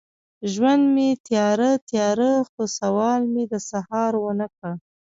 ژوند مې تیاره، تیاره، خو سوال مې د سهار ونه کړ